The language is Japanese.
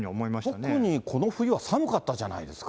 特にこの冬は寒かったじゃないですか。